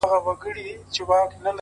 خپه په دې یم چي زه مرم ته به خوشحاله یې،